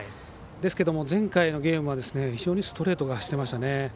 ですけども、前回のゲームは非常にストレートが走ってましたね。